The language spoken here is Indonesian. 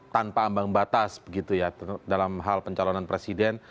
tanpa ambang batas dalam hal pencalonan presiden